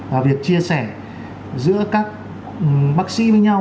và việc chia sẻ giữa các bác sĩ với nhau